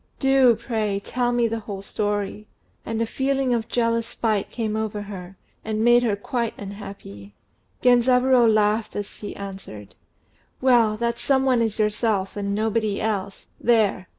Do, pray, tell me the whole story." And a feeling of jealous spite came over her, and made her quite unhappy. Genzaburô laughed as he answered "Well, that some one is yourself, and nobody else. There!"